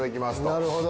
なるほど。